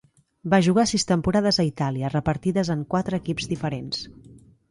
Va jugar sis temporades a Itàlia, repartides en quatre equips diferents.